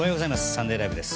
「サンデーＬＩＶＥ！！」です。